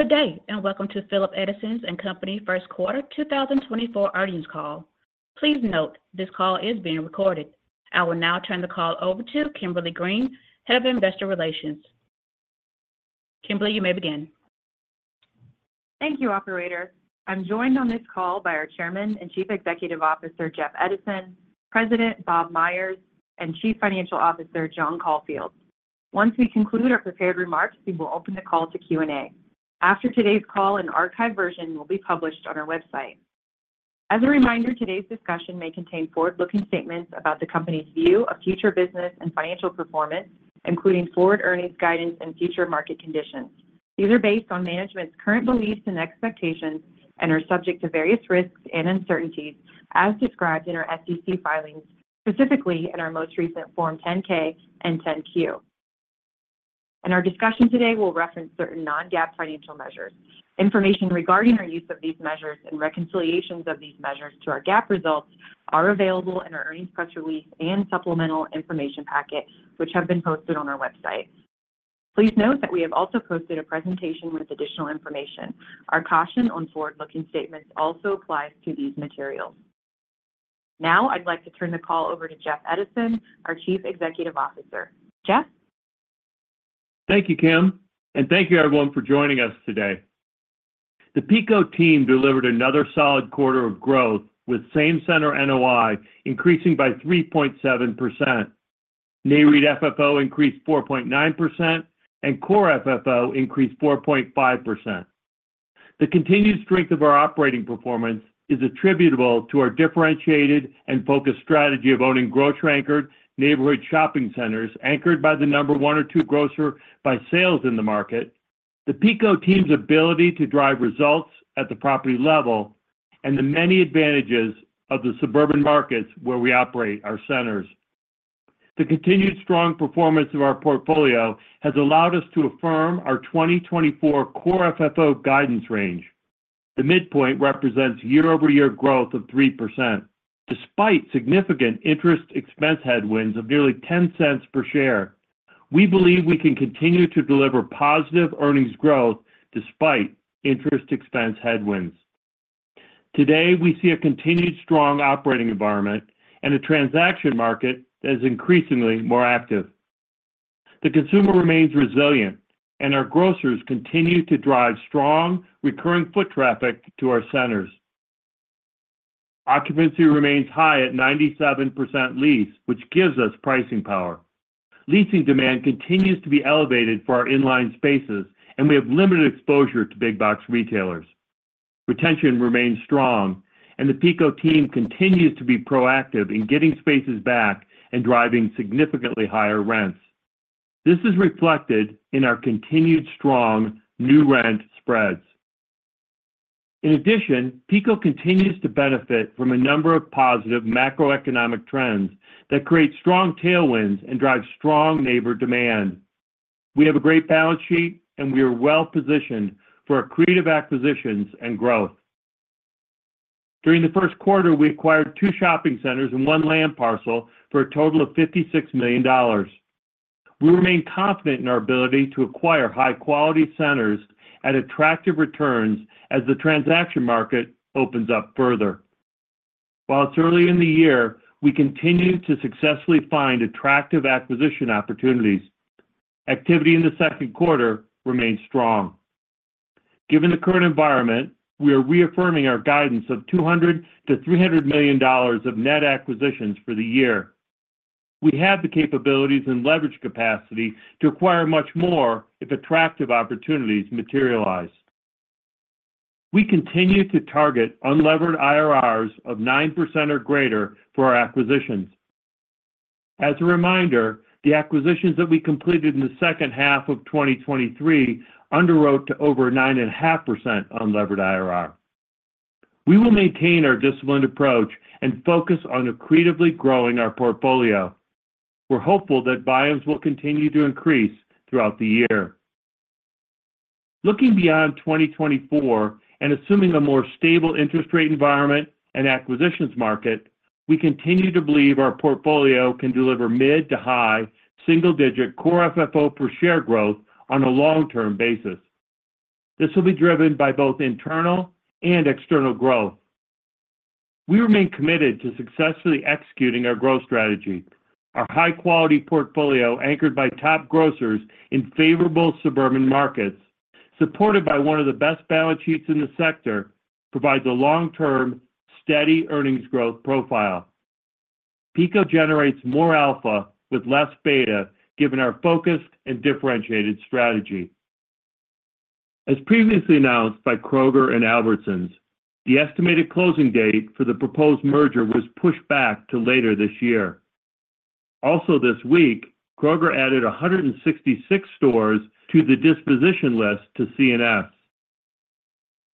Good day and welcome to Phillips Edison & Company First Quarter 2024 Earnings Call. Please note this call is being recorded. I will now turn the call over to Kimberly Green, Head of Investor Relations. Kimberly, you may begin. Thank you, Operator. I'm joined on this call by our Chairman and Chief Executive Officer Jeff Edison, President Bob Myers, and Chief Financial Officer John Caulfield. Once we conclude our prepared remarks, we will open the call to Q&A. After today's call, an archived version will be published on our website. As a reminder, today's discussion may contain forward-looking statements about the company's view of future business and financial performance, including forward earnings guidance and future market conditions. These are based on management's current beliefs and expectations and are subject to various risks and uncertainties as described in our SEC filings, specifically in our most recent Form 10-K and 10-Q. Our discussion today will reference certain non-GAAP financial measures. Information regarding our use of these measures and reconciliations of these measures to our GAAP results are available in our earnings press release and supplemental information packet, which have been posted on our website. Please note that we have also posted a presentation with additional information. Our caution on forward-looking statements also applies to these materials. Now I'd like to turn the call over to Jeff Edison, our Chief Executive Officer. Jeff? Thank you, Kim, and thank you everyone for joining us today. The PECO team delivered another solid quarter of growth, with Same-Center NOI increasing by 3.7%, Nareit FFO increased 4.9%, and Core FFO increased 4.5%. The continued strength of our operating performance is attributable to our differentiated and focused strategy of owning grocery-anchored neighborhood shopping centers anchored by the number one or two grocer by sales in the market, the PECO team's ability to drive results at the property level, and the many advantages of the suburban markets where we operate our centers. The continued strong performance of our portfolio has allowed us to affirm our 2024 Core FFO guidance range. The midpoint represents year-over-year growth of 3%. Despite significant interest expense headwinds of nearly $0.10 per share, we believe we can continue to deliver positive earnings growth despite interest expense headwinds. Today, we see a continued strong operating environment and a transaction market that is increasingly more active. The consumer remains resilient, and our grocers continue to drive strong, recurring foot traffic to our centers. Occupancy remains high at 97% leased, which gives us pricing power. Leasing demand continues to be elevated for our inline spaces, and we have limited exposure to big-box retailers. Retention remains strong, and the PECO team continues to be proactive in getting spaces back and driving significantly higher rents. This is reflected in our continued strong new rent spreads. In addition, PECO continues to benefit from a number of positive macroeconomic trends that create strong tailwinds and drive strong neighbor demand. We have a great balance sheet, and we are well-positioned for creative acquisitions and growth. During the first quarter, we acquired two shopping centers and one land parcel for a total of $56 million. We remain confident in our ability to acquire high-quality centers at attractive returns as the transaction market opens up further. While it's early in the year, we continue to successfully find attractive acquisition opportunities. Activity in the second quarter remains strong. Given the current environment, we are reaffirming our guidance of $200 million-$300 million of net acquisitions for the year. We have the capabilities and leverage capacity to acquire much more if attractive opportunities materialize. We continue to target unlevered IRRs of 9% or greater for our acquisitions. As a reminder, the acquisitions that we completed in the second half of 2023 underwrote to over 9.5% unlevered IRR. We will maintain our disciplined approach and focus on accretively growing our portfolio. We're hopeful that buying will continue to increase throughout the year. Looking beyond 2024 and assuming a more stable interest rate environment and acquisitions market, we continue to believe our portfolio can deliver mid- to high single-digit Core FFO per share growth on a long-term basis. This will be driven by both internal and external growth. We remain committed to successfully executing our growth strategy. Our high-quality portfolio, anchored by top grocers in favorable suburban markets, supported by one of the best balance sheets in the sector, provides a long-term, steady earnings growth profile. PECO generates more alpha with less beta, given our focused and differentiated strategy. As previously announced by Kroger and Albertsons, the estimated closing date for the proposed merger was pushed back to later this year. Also, this week, Kroger added 166 stores to the disposition list to C&S.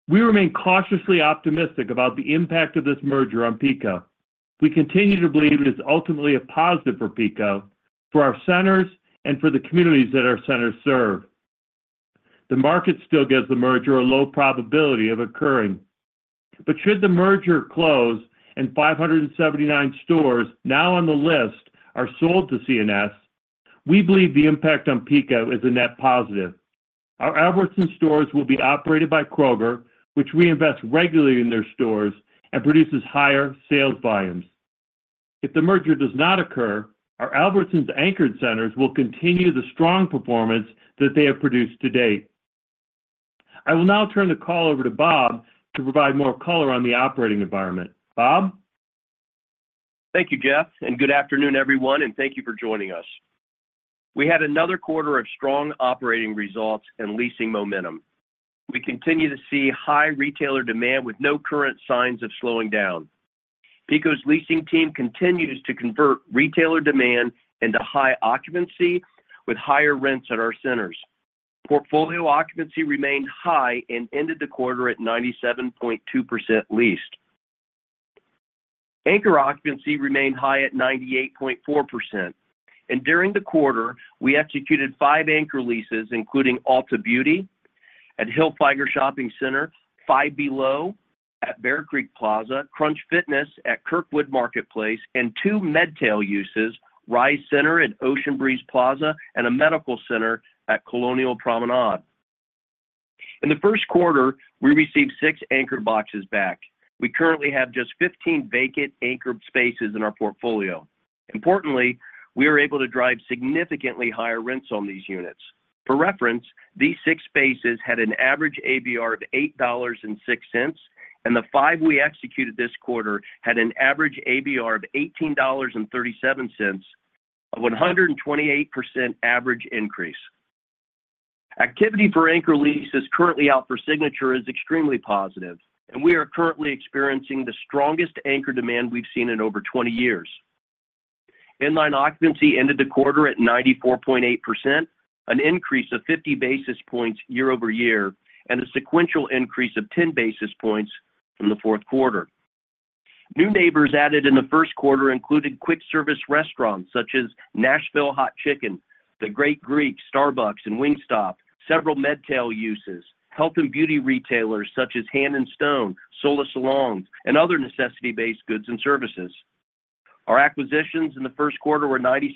We remain cautiously optimistic about the impact of this merger on PECO.We continue to believe it is ultimately a positive for PECO, for our centers, and for the communities that our centers serve. The market still gives the merger a low probability of occurring. But should the merger close and 579 stores now on the list are sold to C&S, we believe the impact on PECO is a net positive. Our Albertsons stores will be operated by Kroger, which reinvests regularly in their stores and produces higher sales volumes. If the merger does not occur, our Albertsons-anchored centers will continue the strong performance that they have produced to date. I will now turn the call over to Bob to provide more color on the operating environment. Bob? Thank you, Jeff, and good afternoon, everyone, and thank you for joining us. We had another quarter of strong operating results and leasing momentum. We continue to see high retailer demand with no current signs of slowing down. PECO's leasing team continues to convert retailer demand into high occupancy with higher rents at our centers. Portfolio occupancy remained high and ended the quarter at 97.2% leased. Anchor occupancy remained high at 98.4%. And during the quarter, we executed 5 anchor leases, including Ulta Beauty at Hilltop Plaza, Five Below at Bear Creek Plaza, Crunch Fitness at Kirkwood Marketplace, and two MedTail uses, Rise Center at Ocean Breeze Plaza and a medical center at Colonial Promenade. In the first quarter, we received six anchored boxes back. We currently have just 15 vacant anchored spaces in our portfolio. Importantly, we are able to drive significantly higher rents on these units. For reference, these six spaces had an average ABR of $8.06, and the 5 we executed this quarter had an average ABR of $18.37, a 128% average increase. Activity for anchor leases currently out for signature is extremely positive, and we are currently experiencing the strongest anchor demand we've seen in over 20 years. Inline occupancy ended the quarter at 94.8%, an increase of 50 basis points year-over-year, and a sequential increase of 10 basis points in the fourth quarter. New neighbors added in the first quarter included quick-service restaurants such as Nashville Hot Chicken, The Great Greek, Starbucks, and Wingstop, several MedTail uses, health and beauty retailers such as Hand & Stone, Sola Salon Studios, and other necessity-based goods and services. Our acquisitions in the first quarter were 96%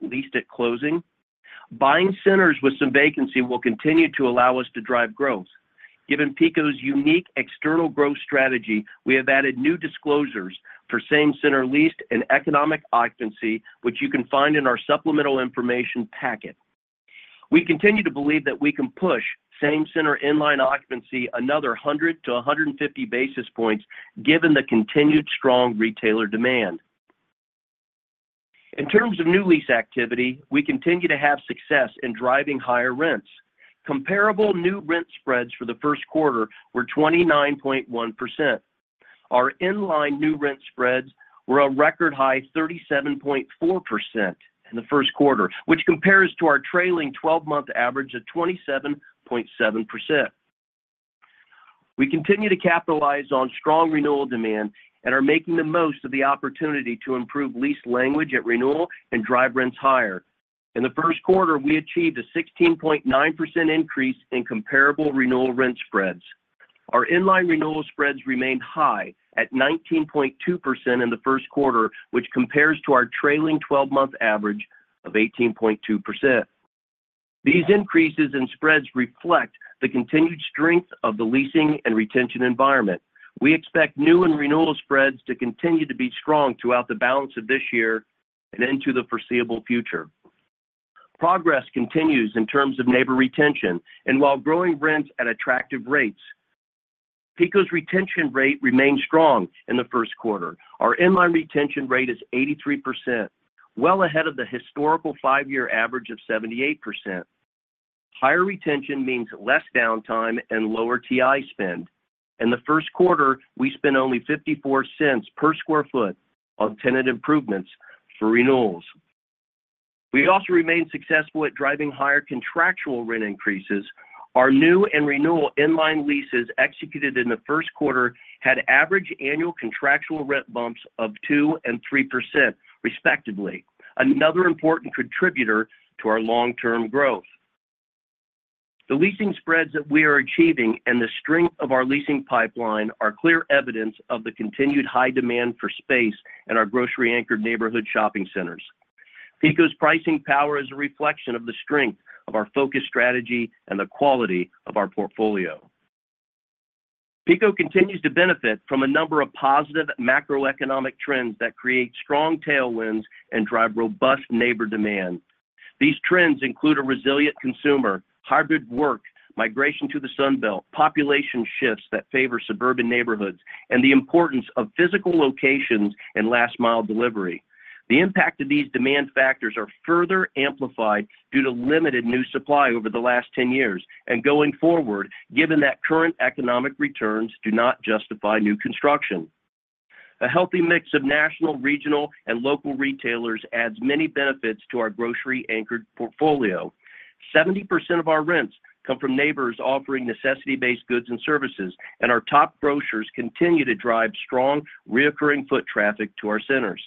leased at closing. Buying centers with some vacancy will continue to allow us to drive growth. Given PECO's unique external growth strategy, we have added new disclosures for Same-Center leased and economic occupancy, which you can find in our supplemental information packet. We continue to believe that we can push Same-Center in-line occupancy another 100-150 basis points, given the continued strong retailer demand. In terms of new lease activity, we continue to have success in driving higher rents. Comparable new rent spreads for the first quarter were 29.1%. Our in-line new rent spreads were a record high 37.4% in the first quarter, which compares to our trailing 12-month average of 27.7%. We continue to capitalize on strong renewal demand and are making the most of the opportunity to improve lease language at renewal and drive rents higher. In the first quarter, we achieved a 16.9% increase in comparable renewal rent spreads. Our inline renewal spreads remained high at 19.2% in the first quarter, which compares to our trailing 12-month average of 18.2%. These increases in spreads reflect the continued strength of the leasing and retention environment. We expect new and renewal spreads to continue to be strong throughout the balance of this year and into the foreseeable future. Progress continues in terms of neighbor retention, and while growing rents at attractive rates, PECO's retention rate remained strong in the first quarter. Our inline retention rate is 83%, well ahead of the historical five-year average of 78%. Higher retention means less downtime and lower TI spend. In the first quarter, we spent only $0.54 per sq ft on tenant improvements for renewals. We also remained successful at driving higher contractual rent increases. Our new and renewal inline leases executed in the first quarter had average annual contractual rent bumps of 2% and 3%, respectively, another important contributor to our long-term growth. The leasing spreads that we are achieving and the strength of our leasing pipeline are clear evidence of the continued high demand for space in our grocery-anchored neighborhood shopping centers. PECO's pricing power is a reflection of the strength of our focused strategy and the quality of our portfolio. PECO continues to benefit from a number of positive macroeconomic trends that create strong tailwinds and drive robust neighbor demand. These trends include a resilient consumer, hybrid work, migration to the Sunbelt, population shifts that favor suburban neighborhoods, and the importance of physical locations and last-mile delivery. The impact of these demand factors is further amplified due to limited new supply over the last 10 years, and going forward, given that current economic returns do not justify new construction. A healthy mix of national, regional, and local retailers adds many benefits to our grocery-anchored portfolio. 70% of our rents come from neighbors offering necessity-based goods and services, and our top grocers continue to drive strong, recurring foot traffic to our centers.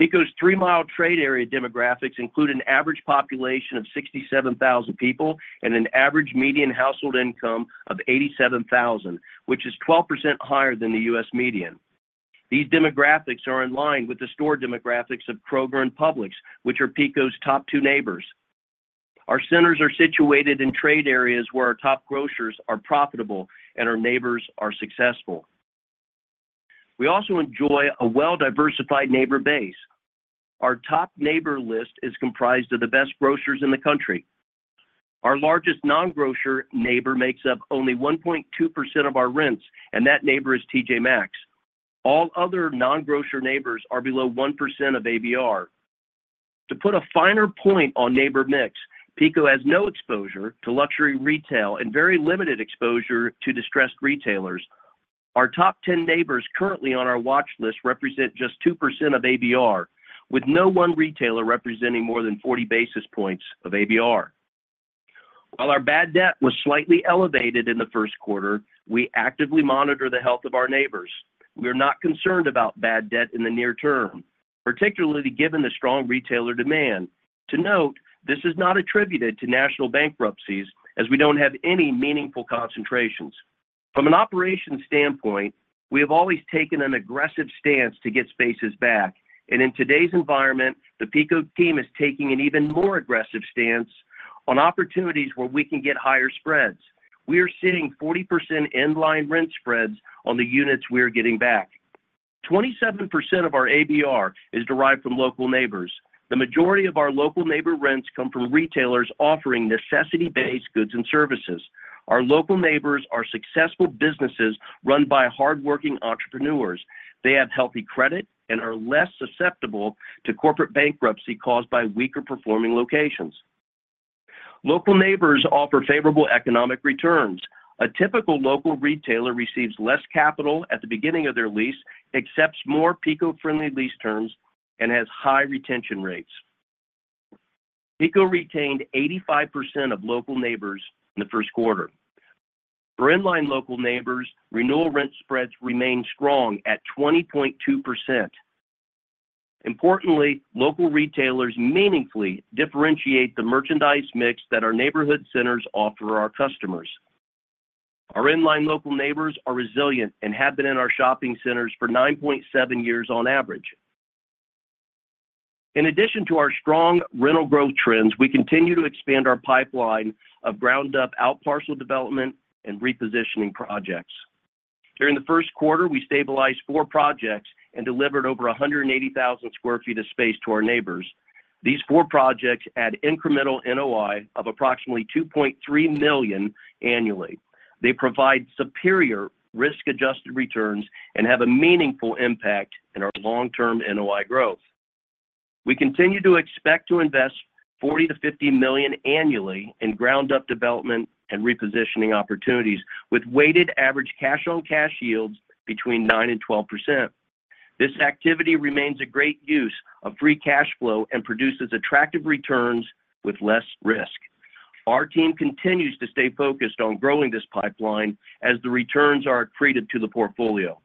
PECO's 3-mile trade area demographics include an average population of 67,000 people and an average median household income of 87,000, which is 12% higher than the US median. These demographics are in line with the store demographics of Kroger and Publix, which are PECO's top two neighbors. Our centers are situated in trade areas where our top grocers are profitable and our neighbors are successful. We also enjoy a well-diversified neighbor base. Our top neighbor list is comprised of the best grocers in the country. Our largest non-grocer neighbor makes up only 1.2% of our rents, and that neighbor is T.J. Maxx. All other non-grocer neighbors are below 1% of ABR. To put a finer point on neighbor mix, PECO has no exposure to luxury retail and very limited exposure to distressed retailers. Our top 10 neighbors currently on our watch list represent just 2% of ABR, with no one retailer representing more than 40 basis points of ABR. While our bad debt was slightly elevated in the first quarter, we actively monitor the health of our neighbors. We are not concerned about bad debt in the near term, particularly given the strong retailer demand. To note, this is not attributed to national bankruptcies, as we don't have any meaningful concentrations. From an operations standpoint, we have always taken an aggressive stance to get spaces back, and in today's environment, the PECO team is taking an even more aggressive stance on opportunities where we can get higher spreads. We are seeing 40% inline rent spreads on the units we are getting back. 27% of our ABR is derived from local neighbors. The majority of our local neighbor rents come from retailers offering necessity-based goods and services. Our local neighbors are successful businesses run by hardworking entrepreneurs. They have healthy credit and are less susceptible to corporate bankruptcy caused by weaker performing locations. Local neighbors offer favorable economic returns. A typical local retailer receives less capital at the beginning of their lease, accepts more PECO-friendly lease terms, and has high retention rates. PECO retained 85% of local neighbors in the first quarter. For inline local neighbors, renewal rent spreads remain strong at 20.2%. Importantly, local retailers meaningfully differentiate the merchandise mix that our neighborhood centers offer our customers. Our inline local neighbors are resilient and have been in our shopping centers for 9.7 years on average. In addition to our strong rental growth trends, we continue to expand our pipeline of ground-up out-parcel development and repositioning projects. During the first quarter, we stabilized four projects and delivered over 180,000 sq ft of space to our neighbors. These four projects add incremental NOI of approximately $2.3 million annually. They provide superior risk-adjusted returns and have a meaningful impact in our long-term NOI growth. We continue to expect to invest $40 million-$50 million annually in ground-up development and repositioning opportunities, with weighted average cash-on-cash yields between 9%-12%. This activity remains a great use of free cash flow and produces attractive returns with less risk. Our team continues to stay focused on growing this pipeline as the returns are accretive to the portfolio.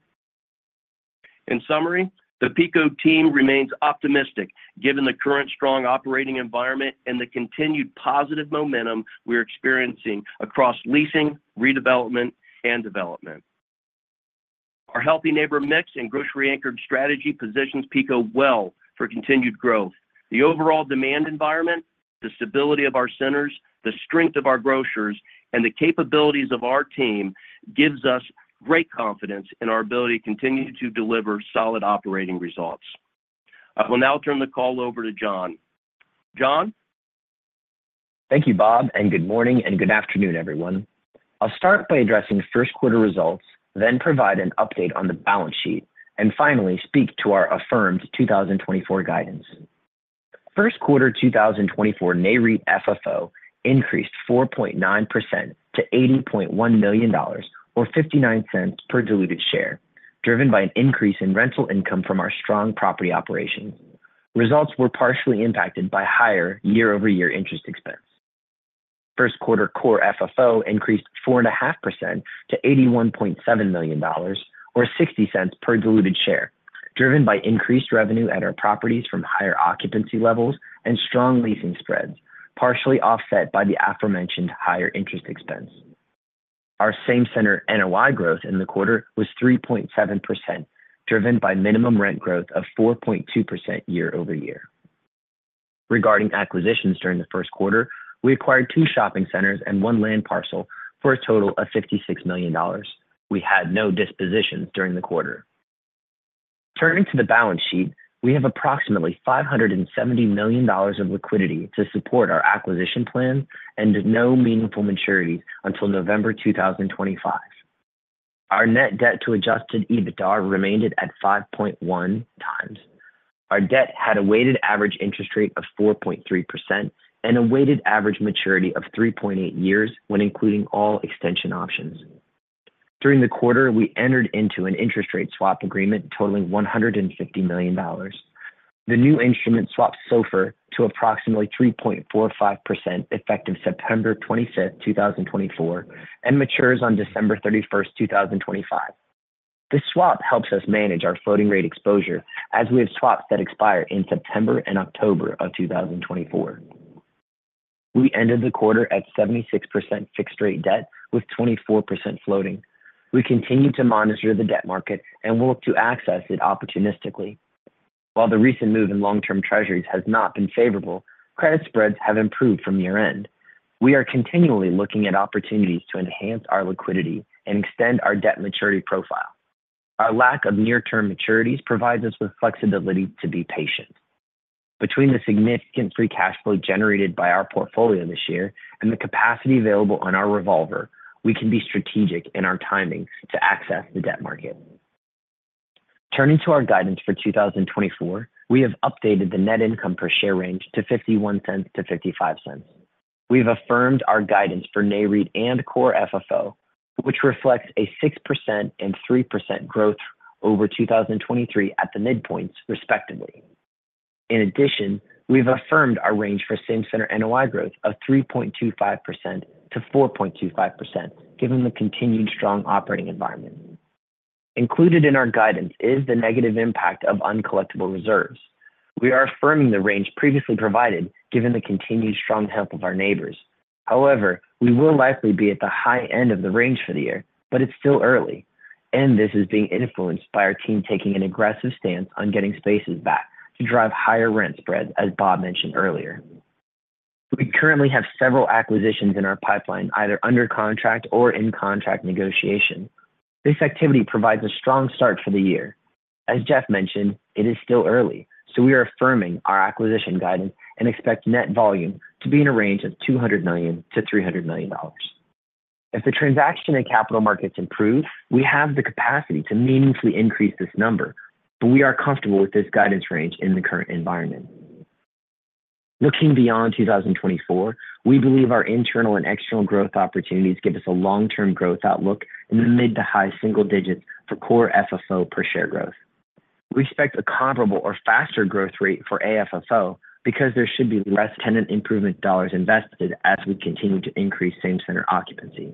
In summary, the PECO team remains optimistic given the current strong operating environment and the continued positive momentum we are experiencing across leasing, redevelopment, and development. Our healthy neighbor mix and grocery-anchored strategy positions PECO well for continued growth. The overall demand environment, the stability of our centers, the strength of our grocers, and the capabilities of our team give us great confidence in our ability to continue to deliver solid operating results. I will now turn the call over to John. John? Thank you, Bob, and good morning and good afternoon, everyone. I'll start by addressing first-quarter results, then provide an update on the balance sheet, and finally speak to our affirmed 2024 guidance. First quarter 2024 Nareit FFO increased 4.9% to $80.1 million, or $59 cents per diluted share, driven by an increase in rental income from our strong property operations. Results were partially impacted by higher year-over-year interest expense. First quarter Core FFO increased 4.5% to $81.7 million, or $60 cents per diluted share, driven by increased revenue at our properties from higher occupancy levels and strong leasing spreads, partially offset by the aforementioned higher interest expense. Our Same-Center NOI growth in the quarter was 3.7%, driven by minimum rent growth of 4.2% year-over-year. Regarding acquisitions during the first quarter, we acquired two shopping centers and one land parcel for a total of $56 million. We had no dispositions during the quarter. Turning to the balance sheet, we have approximately $570 million of liquidity to support our acquisition plans and no meaningful maturities until November 2025. Our net debt to Adjusted EBITDA remained at 5.1x. Our debt had a weighted average interest rate of 4.3% and a weighted average maturity of 3.8 years when including all extension options. During the quarter, we entered into an interest rate swap agreement totaling $150 million. The new instrument swaps SOFR to approximately 3.45% effective September 25th, 2024, and matures on December 31st, 2025. This swap helps us manage our floating-rate exposure, as we have swaps that expire in September and October of 2024. We ended the quarter at 76% fixed-rate debt with 24% floating. We continue to monitor the debt market and will look to access it opportunistically. While the recent move in long-term Treasuries has not been favorable, credit spreads have improved from year-end. We are continually looking at opportunities to enhance our liquidity and extend our debt maturity profile. Our lack of near-term maturities provides us with flexibility to be patient. Between the significant free cash flow generated by our portfolio this year and the capacity available on our revolver, we can be strategic in our timing to access the debt market. Turning to our guidance for 2024, we have updated the net income per share range to $0.51-$0.55. We have affirmed our guidance for Nareit and Core FFO, which reflects a 6% and 3% growth over 2023 at the midpoints, respectively. In addition, we have affirmed our range for Same-Center NOI growth of 3.25%-4.25%, given the continued strong operating environment. Included in our guidance is the negative impact of uncollectible reserves. We are affirming the range previously provided given the continued strong health of our neighbors. However, we will likely be at the high end of the range for the year, but it's still early, and this is being influenced by our team taking an aggressive stance on getting spaces back to drive higher rent spreads, as Bob mentioned earlier. We currently have several acquisitions in our pipeline, either under contract or in contract negotiation. This activity provides a strong start for the year. As Jeff mentioned, it is still early, so we are affirming our acquisition guidance and expect net volume to be in a range of $200 million-$300 million. If the transaction and capital markets improve, we have the capacity to meaningfully increase this number, but we are comfortable with this guidance range in the current environment. Looking beyond 2024, we believe our internal and external growth opportunities give us a long-term growth outlook in the mid to high single digits for Core FFO per share growth. We expect a comparable or faster growth rate for AFFO because there should be less tenant improvement dollars invested as we continue to increase Same-Center occupancy.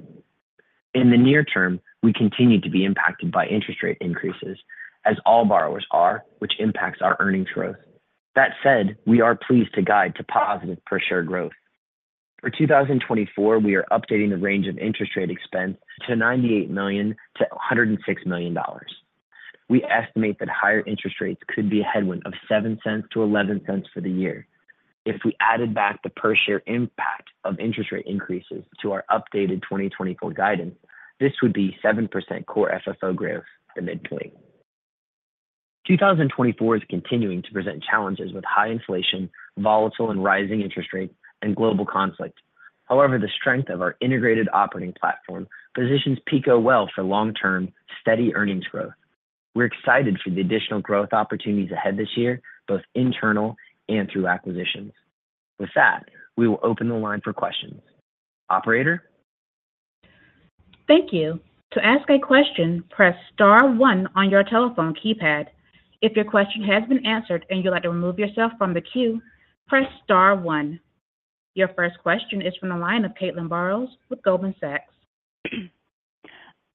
In the near term, we continue to be impacted by interest rate increases, as all borrowers are, which impacts our earnings growth. That said, we are pleased to guide to positive per share growth. For 2024, we are updating the range of interest rate expense to $98 million-$106 million. We estimate that higher interest rates could be a headwind of $0.07-$0.11 for the year. If we added back the per share impact of interest rate increases to our updated 2024 guidance, this would be 7% core FFO growth, the midpoint. 2024 is continuing to present challenges with high inflation, volatile and rising interest rates, and global conflict. However, the strength of our integrated operating platform positions PECO well for long-term, steady earnings growth. We're excited for the additional growth opportunities ahead this year, both internal and through acquisitions. With that, we will open the line for questions. Operator? Thank you. To ask a question, press star 1 on your telephone keypad. If your question has been answered and you'd like to remove yourself from the queue, press star one. Your first question is from the line of Caitlin Burrows with Goldman Sachs.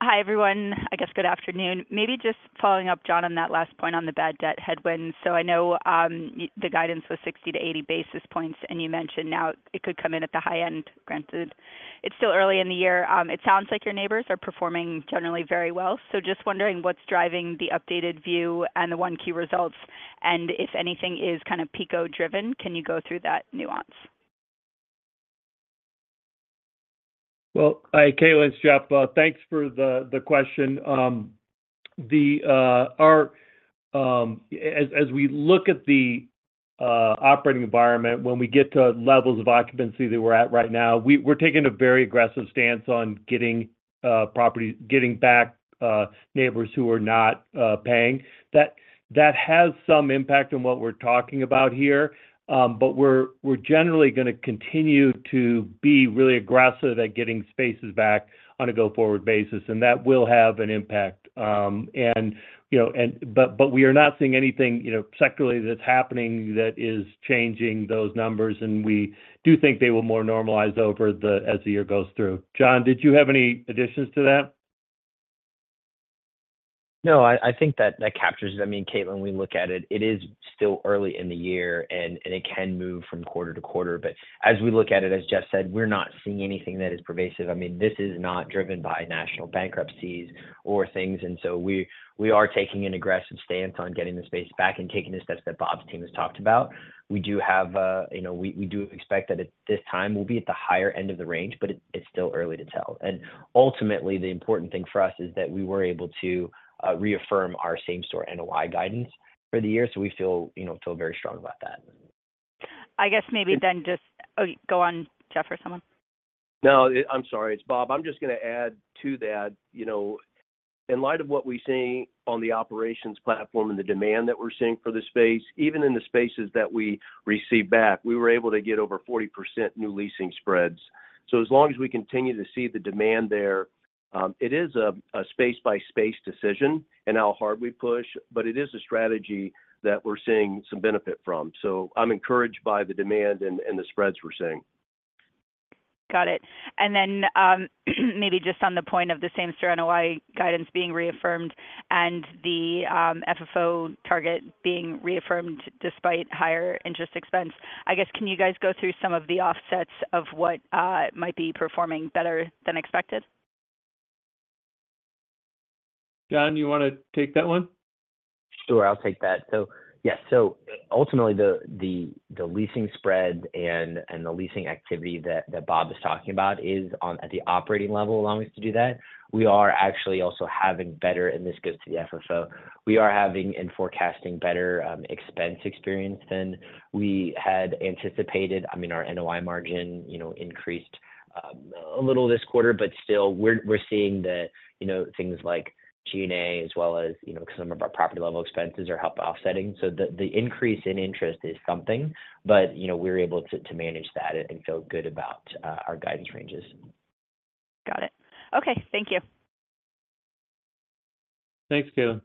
Hi, everyone. I guess good afternoon. Maybe just following up, John, on that last point on the bad debt headwind. So I know the guidance was 60-80 basis points, and you mentioned now it could come in at the high end, granted. It's still early in the year. It sounds like your neighbors are performing generally very well, so just wondering what's driving the updated view and the Q1 results, and if anything is kind of PECO-driven. Can you go through that nuance? Well, hi, Caitlin, it's Jeff. Thanks for the question. As we look at the operating environment, when we get to levels of occupancy that we're at right now, we're taking a very aggressive stance on getting back neighbors who are not paying. That has some impact on what we're talking about here, but we're generally going to continue to be really aggressive at getting spaces back on a go-forward basis, and that will have an impact. But we are not seeing anything sectorally that's happening that is changing those numbers, and we do think they will more normalize over as the year goes through. John, did you have any additions to that? No, I think that captures it. I mean, Caitlin, we look at it. It is still early in the year, and it can move from quarter to quarter, but as we look at it, as Jeff said, we're not seeing anything that is pervasive. I mean, this is not driven by national bankruptcies or things, and so we are taking an aggressive stance on getting the space back and taking the steps that Bob's team has talked about. We do expect that at this time we'll be at the higher end of the range, but it's still early to tell. Ultimately, the important thing for us is that we were able to reaffirm our Same-Center NOI guidance for the year, so we feel very strong about that. I guess maybe then just go on, Jeff, or someone. No, I'm sorry. It's Bob. I'm just going to add to that. In light of what we're seeing on the operations platform and the demand that we're seeing for the space, even in the spaces that we receive back, we were able to get over 40% new leasing spreads. So as long as we continue to see the demand there, it is a space-by-space decision and how hard we push, but it is a strategy that we're seeing some benefit from. So I'm encouraged by the demand and the spreads we're seeing. Got it. And then maybe just on the point of the Same-Center NOI guidance being reaffirmed and the FFO target being reaffirmed despite higher interest expense, I guess can you guys go through some of the offsets of what might be performing better than expected? John, you want to take that one? Sure, I'll take that. So yes, so ultimately, the leasing spread and the leasing activity that Bob is talking about is at the operating level allowing us to do that. We are actually also having better and this goes to the FFO. We are having and forecasting better expense experience than we had anticipated. I mean, our NOI margin increased a little this quarter, but still we're seeing the things like G&A as well as some of our property-level expenses are helping offsetting. So the increase in interest is something, but we're able to manage that and feel good about our guidance ranges. Got it. Okay. Thank you. Thanks, Caitlin.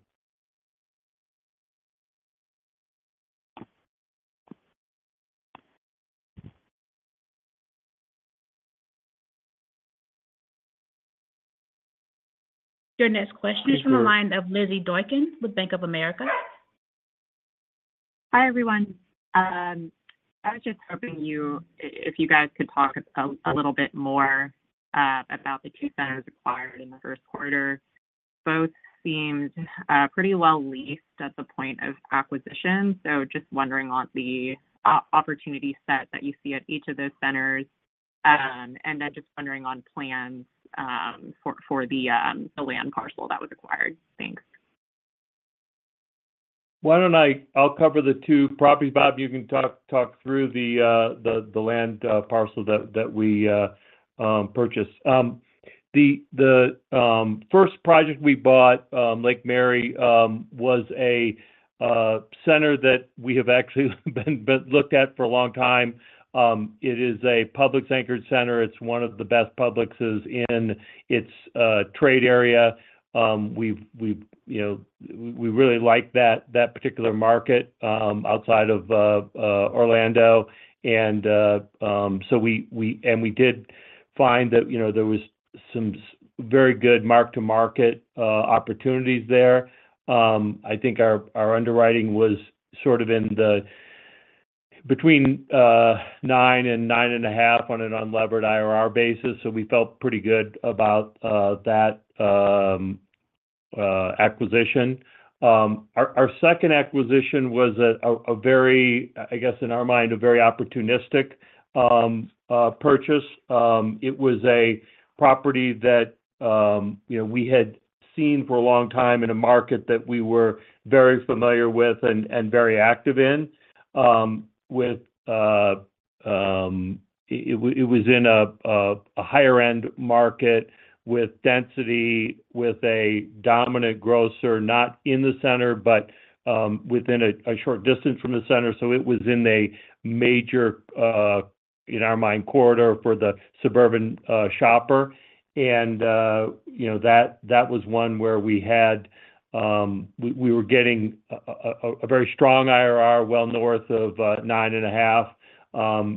Your next question is from the line of Lizzy Doykan with Bank of America. Hi, everyone. I was just hoping if you guys could talk a little bit more about the two centers acquired in the first quarter. Both seemed pretty well leased at the point of acquisition, so just wondering on the opportunity set that you see at each of those centers, and then just wondering on plans for the land parcel that was acquired. Thanks. Why don't I? I'll cover the two properties, Bob. You can talk through the land parcel that we purchased. The first project we bought, Lake Mary, was a center that we have actually been looked at for a long time. It is a Publix-anchored center. It's one of the best Publixes in its trade area. We really like that particular market outside of Orlando, and so we and we did find that there was some very good mark-to-market opportunities there. I think our underwriting was sort of in between nine and 9.5 on an unlevered IRR basis, so we felt pretty good about that acquisition. Our second acquisition was a very, I guess, in our mind, a very opportunistic purchase. It was a property that we had seen for a long time in a market that we were very familiar with and very active in.It was in a higher-end market with density, with a dominant grocer not in the center, but within a short distance from the center. So it was in a major, in our mind, corridor for the suburban shopper, and that was one where we were getting a very strong IRR well north of 9.5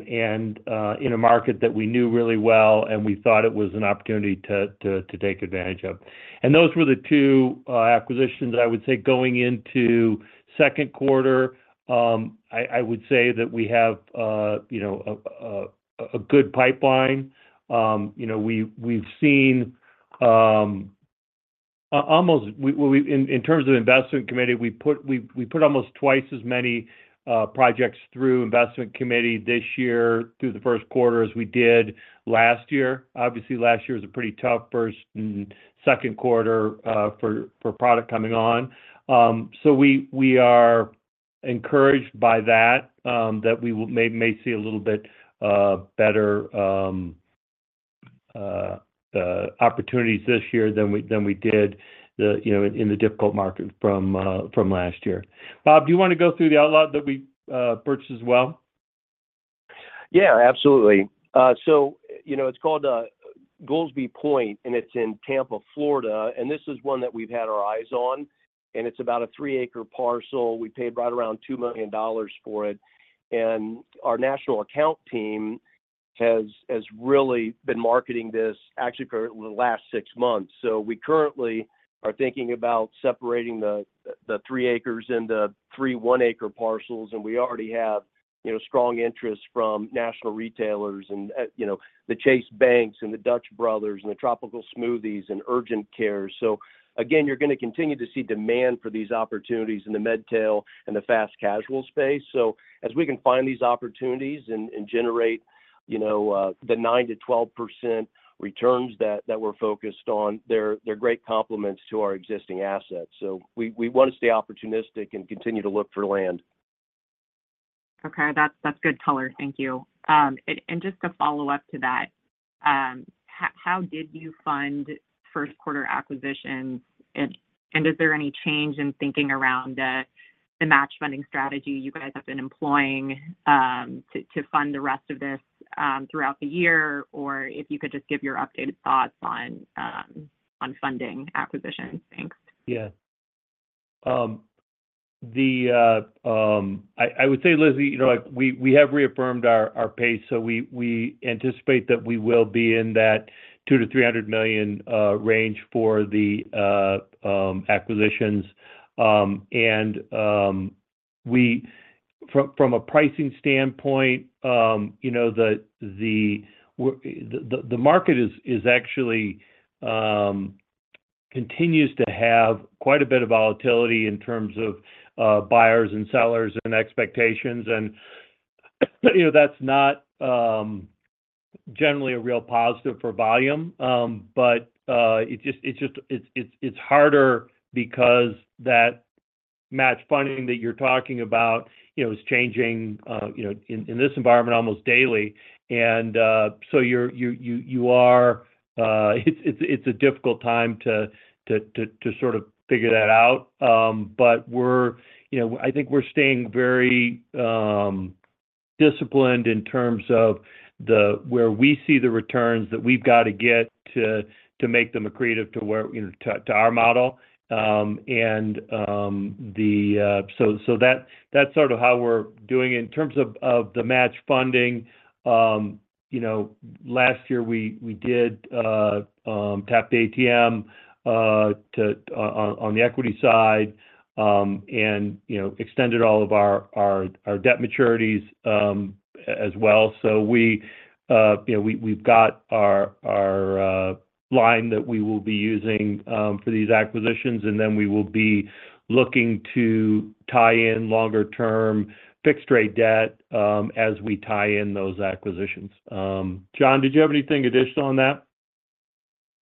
and in a market that we knew really well, and we thought it was an opportunity to take advantage of. And those were the two acquisitions I would say going into second quarter. I would say that we have a good pipeline. We've seen almost in terms of investment committee, we put almost twice as many projects through investment committee this year through the first quarter as we did last year. Obviously, last year was a pretty tough first and second quarter for product coming on. So we are encouraged by that, that we may see a little bit better opportunities this year than we did in the difficult market from last year. Bob, do you want to go through the outlot that we purchased as well? Yeah, absolutely. So it's called Goolsby Pointe, and it's in Tampa, Florida. And this is one that we've had our eyes on, and it's about a three-acre parcel. We paid right around $2 million for it, and our national account team has really been marketing this actually for the last six months. So we currently are thinking about separating the three acres into three one-acre parcels, and we already have strong interest from national retailers and the Chase Bank and the Dutch Bros and the Tropical Smoothie and urgent care. So again, you're going to continue to see demand for these opportunities in the MedTail and the fast casual space. So as we can find these opportunities and generate the 9%-12% returns that we're focused on, they're great complements to our existing assets. So we want to stay opportunistic and continue to look for land. Okay. That's good color. Thank you. And just to follow up to that, how did you fund first-quarter acquisitions, and is there any change in thinking around the match funding strategy you guys have been employing to fund the rest of this throughout the year, or if you could just give your updated thoughts on funding acquisitions? Thanks. Yeah. I would say, Lizzy, we have reaffirmed our pace, so we anticipate that we will be in that $200 million-$300 million range for the acquisitions. And from a pricing standpoint, the market actually continues to have quite a bit of volatility in terms of buyers and sellers and expectations, and that's not generally a real positive for volume. But it's harder because that match funding that you're talking about is changing in this environment almost daily. And so you are it's a difficult time to sort of figure that out. But I think we're staying very disciplined in terms of where we see the returns that we've got to get to make them accretive to our model. And so that's sort of how we're doing it.In terms of the match funding, last year we did tap the ATM on the equity side and extended all of our debt maturities as well. So we've got our line that we will be using for these acquisitions, and then we will be looking to tie in longer-term fixed-rate debt as we tie in those acquisitions. John, did you have anything additional on that?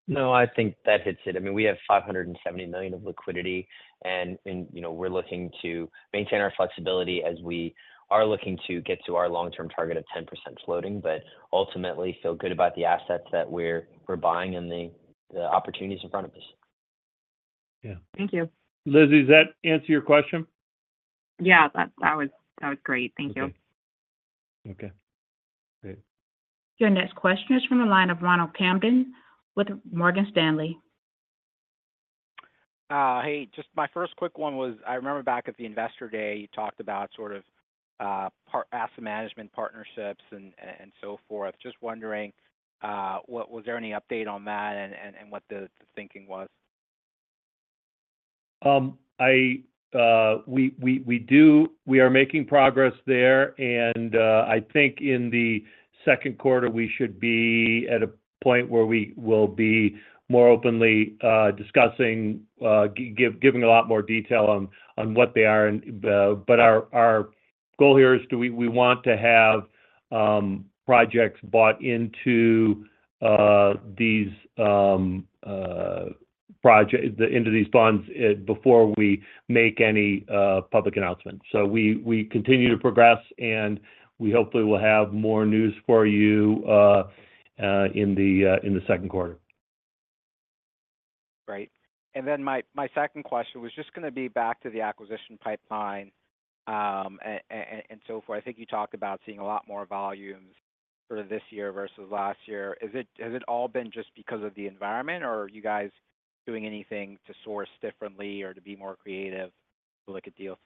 No, I think that hits it. I mean, we have $570 million of liquidity, and we're looking to maintain our flexibility as we are looking to get to our long-term target of 10% floating, but ultimately feel good about the assets that we're buying and the opportunities in front of us. Yeah. Thank you. Lizzy, does that answer your question? Yeah, that was great. Thank you. Okay. Great. Your next question is from the line of Ronald Kamdem with Morgan Stanley. Hey, just my first quick one was I remember back at the Investor Day, you talked about sort of asset management partnerships and so forth. Just wondering, was there any update on that and what the thinking was? We are making progress there, and I think in the second quarter, we should be at a point where we will be more openly discussing, giving a lot more detail on what they are. Our goal here is we want to have projects bought into these bonds before we make any public announcements. We continue to progress, and we hopefully will have more news for you in the second quarter. Great. Then my second question was just going to be back to the acquisition pipeline and so forth. I think you talked about seeing a lot more volumes sort of this year versus last year. Has it all been just because of the environment, or are you guys doing anything to source differently or to be more creative to look at deals?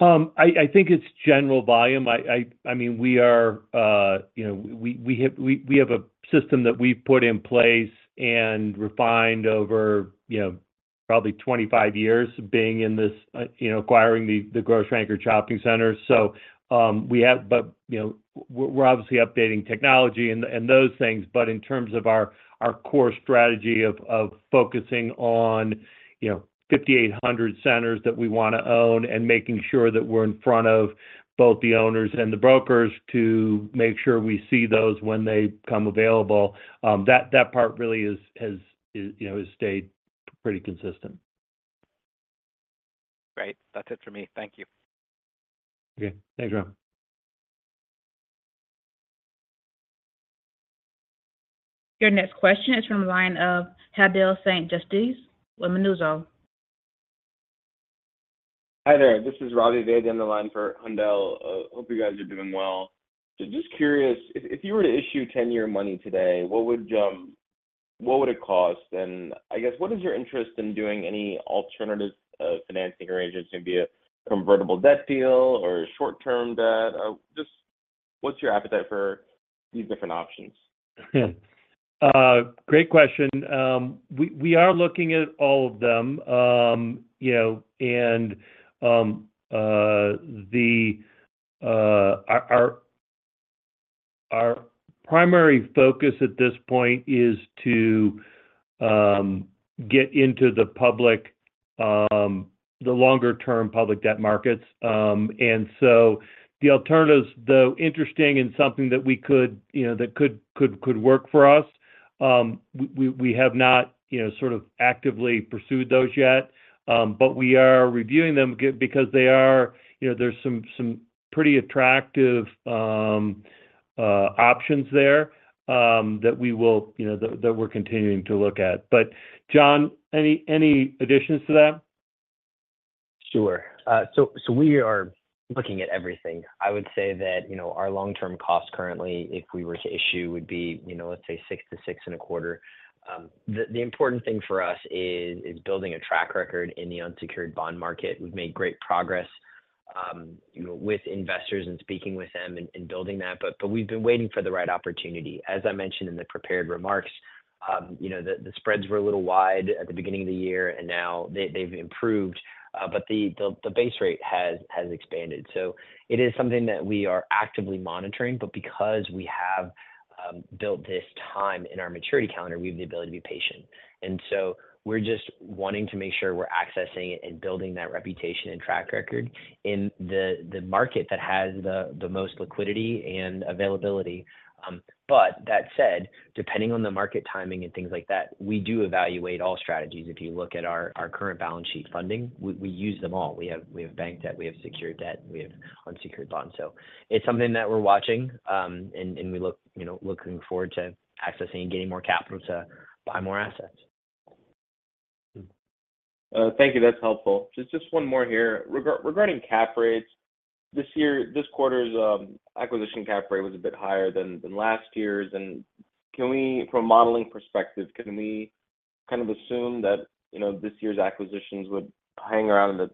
I think it's general volume. I mean, we have a system that we've put in place and refined over probably 25 years being in this acquiring the grocery-anchored shopping center. So we have, but we're obviously updating technology and those things. But in terms of our core strategy of focusing on 5,800 centers that we want to own and making sure that we're in front of both the owners and the brokers to make sure we see those when they come available, that part really has stayed pretty consistent. Great. That's it for me. Thank you. Okay. Thanks, Ron. Your next question is from the line of Haendel St. Juste with Mizuho. Hi there. This is Ravi Vaidya on the line for Haendel. Hope you guys are doing well. Just curious, if you were to issue 10-year money today, what would it cost? And I guess, what is your interest in doing any alternative financing arrangements, maybe a convertible debt deal or short-term debt? Just what's your appetite for these different options? Great question. We are looking at all of them, and our primary focus at this point is to get into the longer-term public debt markets. And so the alternatives, though interesting and something that could work for us. We have not sort of actively pursued those yet, but we are reviewing them because there are some pretty attractive options there that we're continuing to look at. But John, any additions to that? Sure. So we are looking at everything. I would say that our long-term cost currently, if we were to issue, would be, let's say, 6%-6.25%. The important thing for us is building a track record in the unsecured bond market. We've made great progress with investors and speaking with them and building that, but we've been waiting for the right opportunity. As I mentioned in the prepared remarks, the spreads were a little wide at the beginning of the year, and now they've improved, but the base rate has expanded. So it is something that we are actively monitoring, but because we have built this time in our maturity calendar, we have the ability to be patient. And so we're just wanting to make sure we're accessing it and building that reputation and track record in the market that has the most liquidity and availability. That said, depending on the market timing and things like that, we do evaluate all strategies. If you look at our current balance sheet funding, we use them all. We have bank debt. We have secured debt. We have unsecured bonds. It's something that we're watching, and we're looking forward to accessing and getting more capital to buy more assets. Thank you. That's helpful. Just one more here. Regarding cap rates, this quarter's acquisition cap rate was a bit higher than last year's. From a modeling perspective, can we kind of assume that this year's acquisitions would hang around in the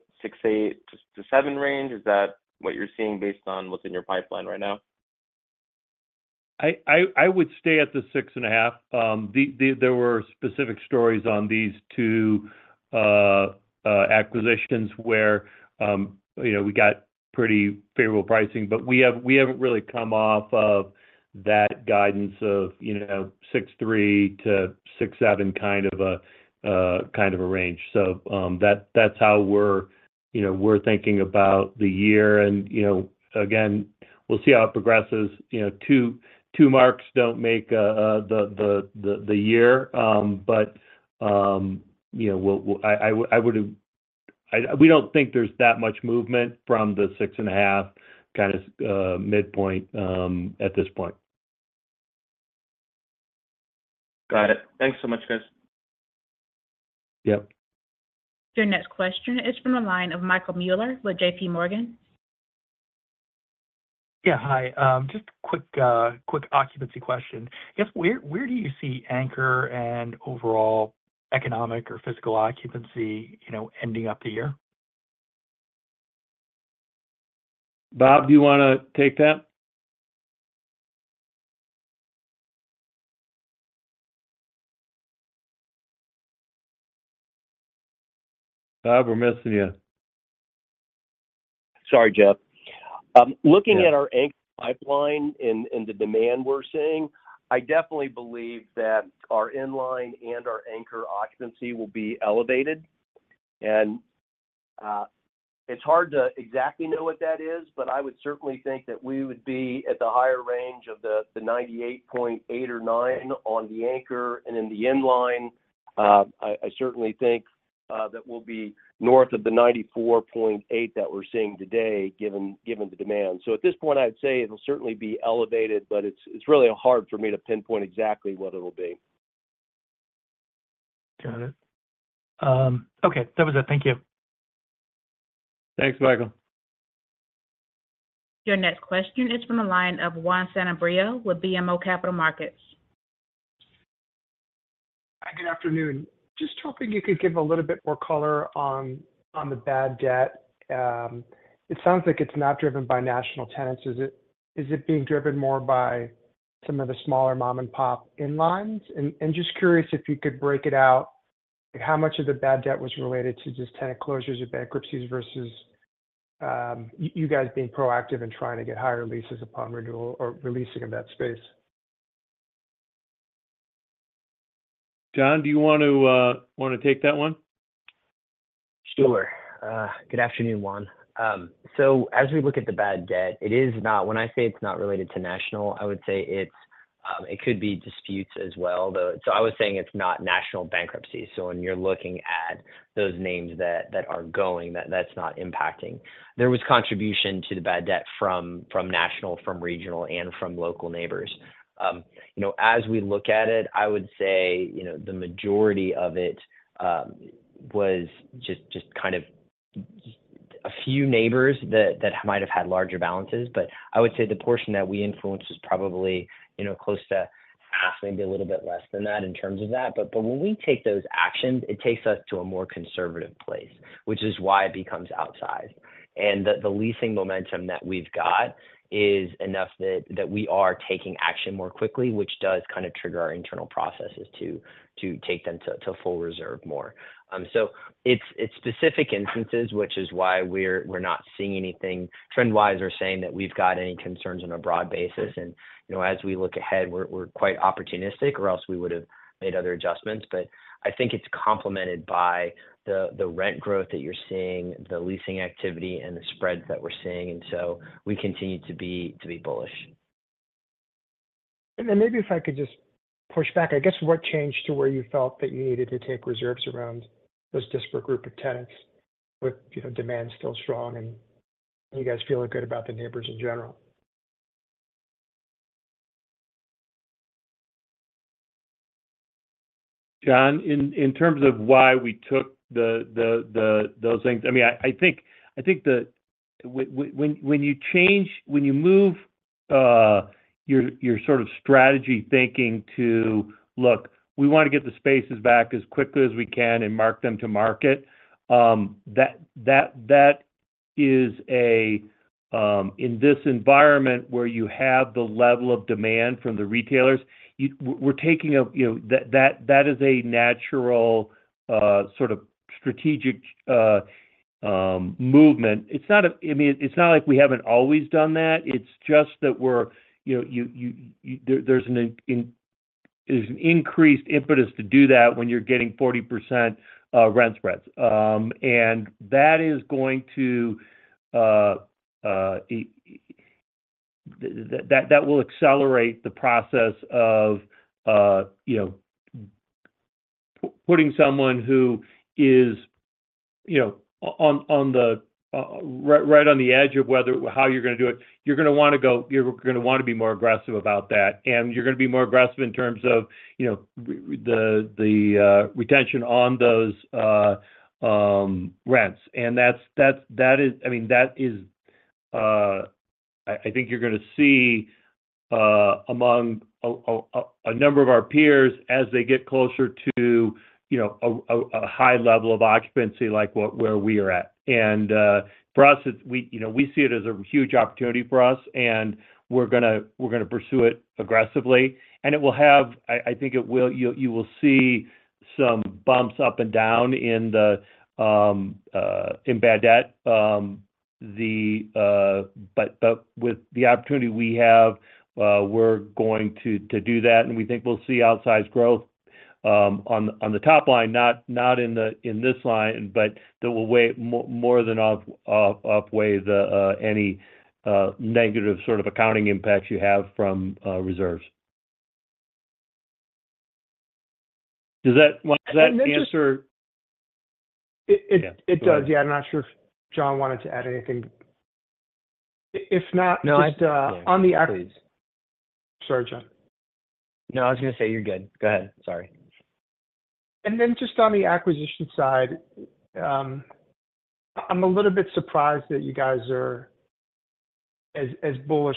6.8-7 range? Is that what you're seeing based on what's in your pipeline right now? I would stay at the 6.5. There were specific stories on these two acquisitions where we got pretty favorable pricing, but we haven't really come off of that guidance of 6.3-6.7 kind of a range. So that's how we're thinking about the year. And again, we'll see how it progresses. two marks don't make the year, but we don't think there's that much movement from the 6.5 kind of midpoint at this point. Got it. Thanks so much, guys. Yep. Your next question is from the line of Michael Mueller with J.P. Morgan. Yeah. Hi. Just a quick occupancy question. I guess, where do you see Anchor and overall economic or physical occupancy ending up the year? Bob, do you want to take that? Bob, we're missing you. Sorry, Jeff. Looking at our anchor pipeline and the demand we're seeing, I definitely believe that our inline and our anchor occupancy will be elevated. It's hard to exactly know what that is, but I would certainly think that we would be at the higher range of the 98.8 or 99 on the anchor and in the inline. I certainly think that we'll be north of the 94.8 that we're seeing today given the demand. At this point, I would say it'll certainly be elevated, but it's really hard for me to pinpoint exactly what it'll be. Got it. Okay. That was it. Thank you. Thanks, Michael. Your next question is from the line of Juan Sanabria with BMO Capital Markets. Good afternoon. Just hoping you could give a little bit more color on the bad debt. It sounds like it's not driven by national tenants. Is it being driven more by some of the smaller mom-and-pop inlines? And just curious if you could break it out, how much of the bad debt was related to just tenant closures or bankruptcies versus you guys being proactive and trying to get higher leases upon renewal or releasing of that space? John, do you want to take that one? Sure. Good afternoon, Juan. So as we look at the bad debt, it is not, when I say it's not related to national, I would say it could be disputes as well, though. So I was saying it's not national bankruptcies. So when you're looking at those names that are going, that's not impacting. There was contribution to the bad debt from national, from regional, and from local neighbors. As we look at it, I would say the majority of it was just kind of a few neighbors that might have had larger balances. But I would say the portion that we influenced was probably close to half, maybe a little bit less than that in terms of that. But when we take those actions, it takes us to a more conservative place, which is why it becomes outsized. The leasing momentum that we've got is enough that we are taking action more quickly, which does kind of trigger our internal processes to take them to full reserve more. It's specific instances, which is why we're not seeing anything trend-wise or saying that we've got any concerns on a broad basis. As we look ahead, we're quite opportunistic, or else we would have made other adjustments. I think it's complemented by the rent growth that you're seeing, the leasing activity, and the spreads that we're seeing. We continue to be bullish. Maybe if I could just push back, I guess what changed to where you felt that you needed to take reserves around those disparate group of tenants with demand still strong and you guys feeling good about the neighbors in general? John, in terms of why we took those things, I mean, I think that when you move your sort of strategy thinking to, "Look, we want to get the spaces back as quickly as we can and mark them to market," that is, in this environment where you have the level of demand from the retailers, we're taking; that is a natural sort of strategic movement. I mean, it's not like we haven't always done that. It's just that we're; there's an increased impetus to do that when you're getting 40% rent spreads. And that is going to; that will accelerate the process of putting someone who is on the right on the edge of how you're going to do it; you're going to want to go; you're going to want to be more aggressive about that. And you're going to be more aggressive in terms of the retention on those rents. And that is, I mean, that is—I think you're going to see among a number of our peers as they get closer to a high level of occupancy like where we are at. And for us, we see it as a huge opportunity for us, and we're going to pursue it aggressively. And it will have—I think it will—you will see some bumps up and down in bad debt. But with the opportunity we have, we're going to do that. And we think we'll see outsized growth on the top line, not in this line, but that will weigh more than outweigh any negative sort of accounting impacts you have from reserves. Does that answer? It does. Yeah. I'm not sure if John wanted to add anything. If not, just on the. No, I was going to say. Sorry, John. No, I was going to say you're good. Go ahead. Sorry. And then just on the acquisition side, I'm a little bit surprised that you guys are as bullish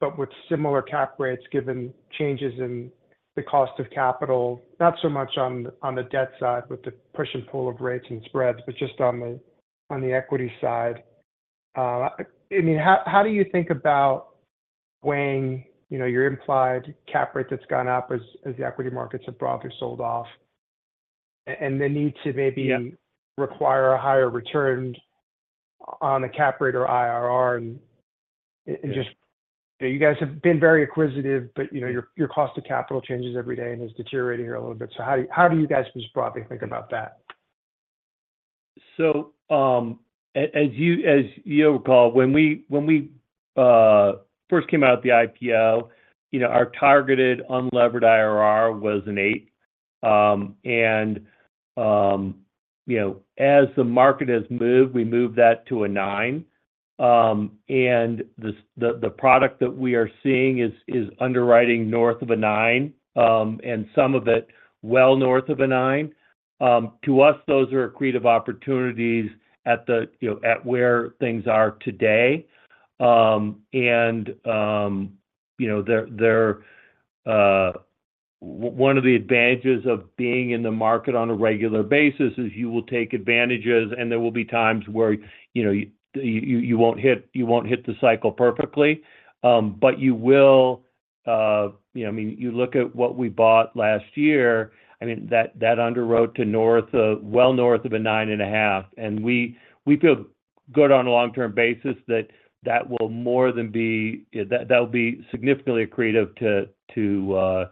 but with similar cap rates given changes in the cost of capital, not so much on the debt side with the push and pull of rates and spreads, but just on the equity side. I mean, how do you think about weighing your implied cap rate that's gone up as the equity markets have broadly sold off and the need to maybe require a higher return on the cap rate or IRR? And you guys have been very acquisitive, but your cost of capital changes every day and is deteriorating here a little bit. So how do you guys just broadly think about that? So as you recall, when we first came out of the IPO, our targeted unlevered IRR was eight. As the market has moved, we moved that to nine. The product that we are seeing is underwriting north of nine and some of it well north of nine. To us, those are accretive opportunities at where things are today. One of the advantages of being in the market on a regular basis is you will take advantages, and there will be times where you won't hit the cycle perfectly. But you will, I mean, you look at what we bought last year, I mean, that underwrote to north of well north of 9.5. We feel good on a long-term basis that that will more than be that will be significantly accretive to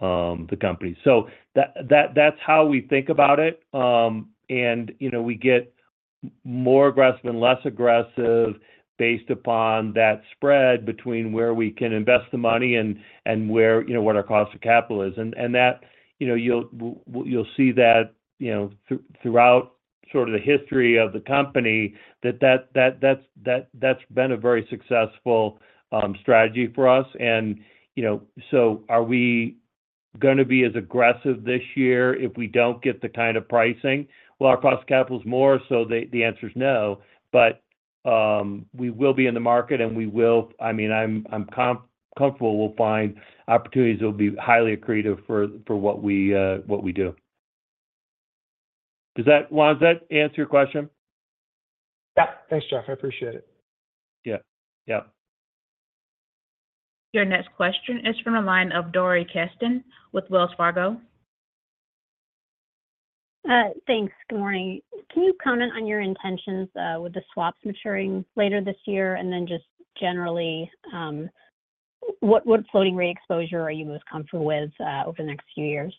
the company. So that's how we think about it. And we get more aggressive and less aggressive based upon that spread between where we can invest the money and what our cost of capital is. And you'll see that throughout sort of the history of the company, that that's been a very successful strategy for us. And so are we going to be as aggressive this year if we don't get the kind of pricing? Well, our cost of capital is more, so the answer is no. But we will be in the market, and we will, I mean, I'm comfortable we'll find opportunities that will be highly accretive for what we do. Juan, does that answer your question? Yeah. Thanks, Jeff. I appreciate it. Yeah. Yeah. Your next question is from the line of Dori Kesten with Wells Fargo. Thanks. Good morning. Can you comment on your intentions with the swaps maturing later this year? And then just generally, what floating rate exposure are you most comfortable with over the next few years?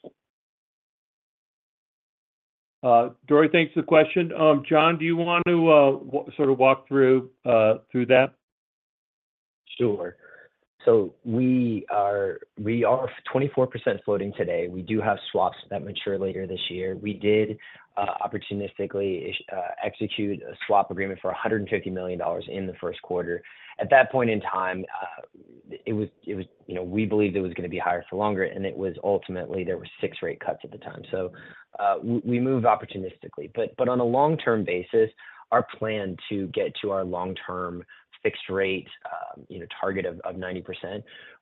Dori, thanks for the question. John, do you want to sort of walk through that? Sure. So we are 24% floating today. We do have swaps that mature later this year. We did opportunistically execute a swap agreement for $150 million in the first quarter. At that point in time, it was, we believed it was going to be higher for longer. And ultimately, there were six rate cuts at the time. So we moved opportunistically. But on a long-term basis, our plan to get to our long-term fixed-rate target of 90%,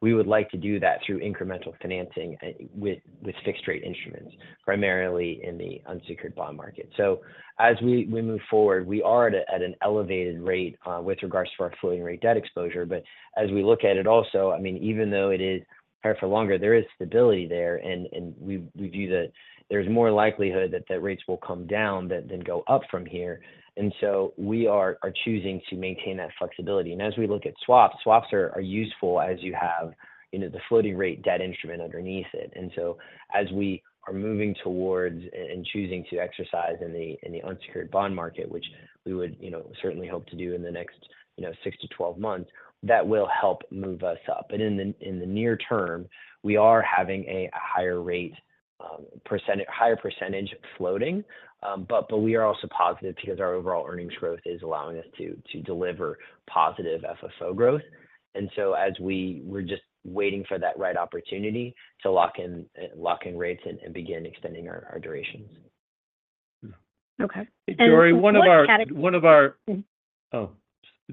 we would like to do that through incremental financing with fixed-rate instruments, primarily in the unsecured bond market. So as we move forward, we are at an elevated rate with regards to our floating rate debt exposure. But as we look at it also, I mean, even though it is higher for longer, there is stability there. We view that there's more likelihood that rates will come down than go up from here. So we are choosing to maintain that flexibility. As we look at swaps, swaps are useful as you have the floating rate debt instrument underneath it. So as we are moving towards and choosing to exercise in the unsecured bond market, which we would certainly hope to do in the next 6-12 months, that will help move us up. But in the near term, we are having a higher rate higher percentage floating. But we are also positive because our overall earnings growth is allowing us to deliver positive FFO growth. So we're just waiting for that right opportunity to lock in rates and begin extending our durations. Okay.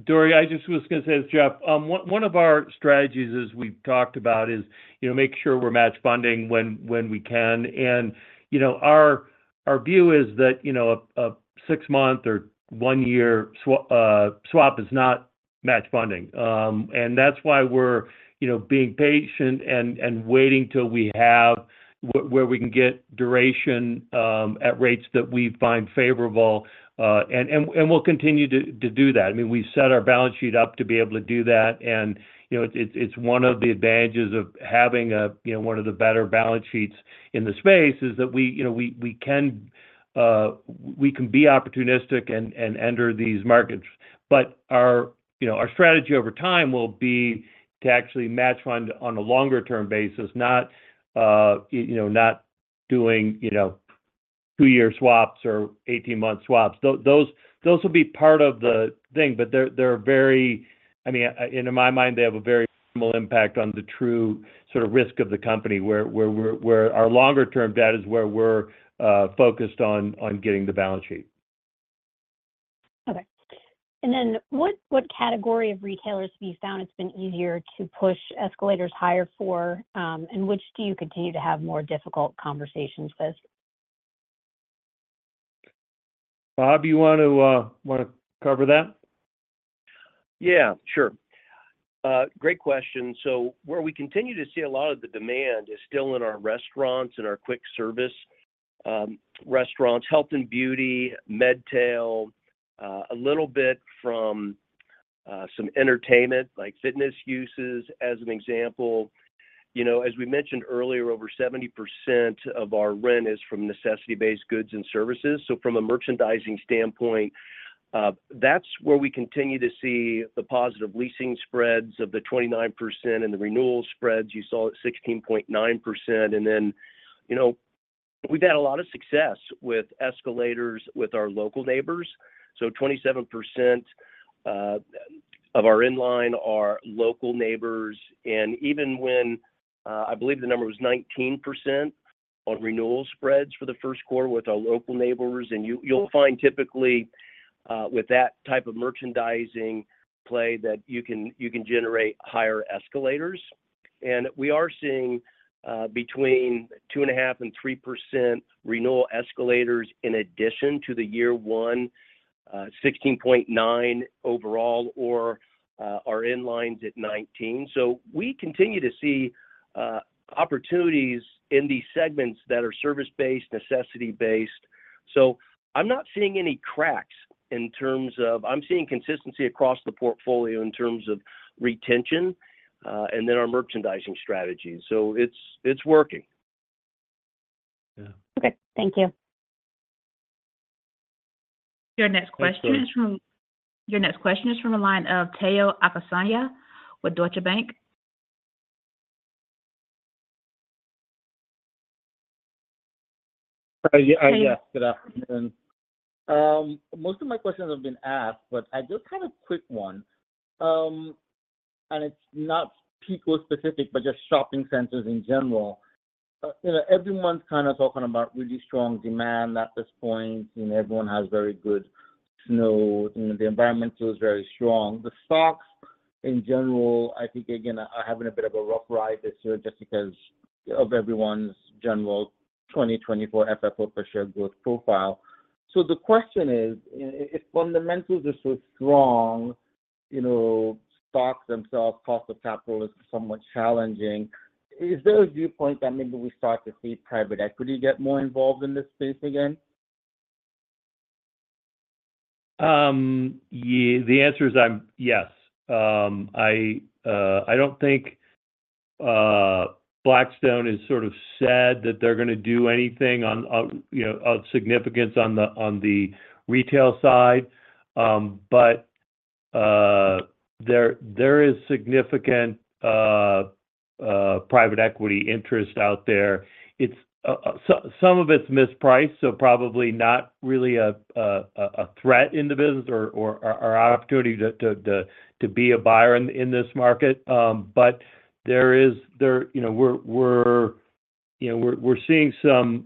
Dori, I just was going to say, as Jeff, one of our strategies, as we've talked about, is make sure we're matched funding when we can. And our view is that a six-month or one-year swap is not matched funding. And that's why we're being patient and waiting till we have where we can get duration at rates that we find favorable. And we'll continue to do that. I mean, we've set our balance sheet up to be able to do that. And it's one of the advantages of having one of the better balance sheets in the space is that we can be opportunistic and enter these markets. But our strategy over time will be to actually match fund on a longer-term basis, not doing two-year swaps or 18-month swaps. Those will be part of the thing. But they're very, I mean, in my mind, they have a very minimal impact on the true sort of risk of the company, where our longer-term debt is where we're focused on getting the balance sheet. Okay. And then what category of retailers have you found it's been easier to push escalators higher for, and which do you continue to have more difficult conversations with? Bob, do you want to cover that? Yeah. Sure. Great question. So where we continue to see a lot of the demand is still in our restaurants and our quick-service restaurants, health and beauty, MedTail, a little bit from some entertainment, like fitness uses, as an example. As we mentioned earlier, over 70% of our rent is from necessity-based goods and services. So from a merchandising standpoint, that's where we continue to see the positive leasing spreads of the 29% and the renewal spreads. You saw it at 16.9%. And then we've had a lot of success with escalators with our local neighbors. So 27% of our inline are local neighbors. And even when I believe the number was 19% on renewal spreads for the first quarter with our local neighbors, and you'll find typically with that type of merchandising play that you can generate higher escalators. We are seeing between 2.5%-3% renewal escalators in addition to the year one 16.9% overall, or our inlines at 19%. So we continue to see opportunities in these segments that are service-based, necessity-based. So I'm not seeing any cracks in terms of I'm seeing consistency across the portfolio in terms of retention and then our merchandising strategies. So it's working. Yeah. Okay. Thank you. Your next question is from the line of Omotayo Okusanya with Deutsche Bank. Yes. Good afternoon. Most of my questions have been asked, but I just had a quick one. It's not PECO-specific, but just shopping centers in general. Everyone's kind of talking about really strong demand at this point. Everyone has very good NOI. The environment feels very strong. The stocks, in general, I think, again, are having a bit of a rough ride this year just because of everyone's general 2024 FFO per share growth profile. So the question is, if fundamentals are so strong, stocks themselves, cost of capital is somewhat challenging, is there a viewpoint that maybe we start to see private equity get more involved in this space again? The answer is yes. I don't think Blackstone is sort of said that they're going to do anything of significance on the retail side. But there is significant private equity interest out there. Some of it's mispriced, so probably not really a threat in the business or an opportunity to be a buyer in this market. But there is, we're seeing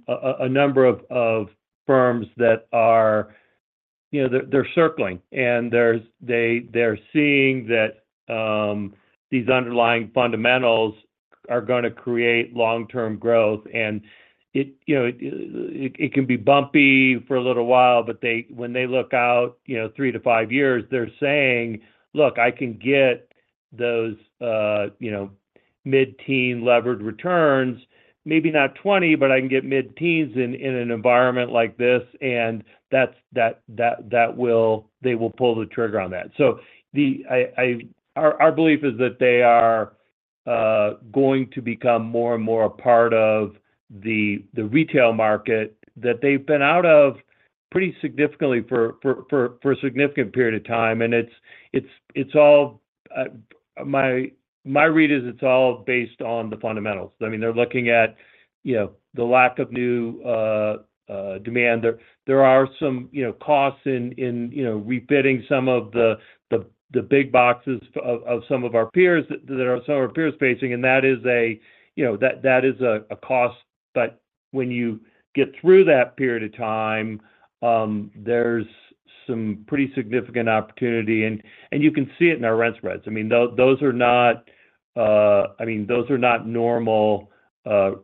a number of firms that are, they're circling. And they're seeing that these underlying fundamentals are going to create long-term growth. And it can be bumpy for a little while, but when they look out three to five years, they're saying, "Look, I can get those mid-teen levered returns, maybe not 20, but I can get mid-teens in an environment like this." And they will pull the trigger on that. So our belief is that they are going to become more and more a part of the retail market that they've been out of pretty significantly for a significant period of time. And it's all my read is it's all based on the fundamentals. I mean, they're looking at the lack of new demand. There are some costs in refitting some of the big boxes of some of our peers that some of our peers facing. And that is a that is a cost. But when you get through that period of time, there's some pretty significant opportunity. And you can see it in our rent spreads. I mean, those are not I mean, those are not normal rent